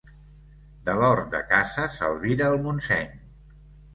De l'hort de casa s'albira el Montseny.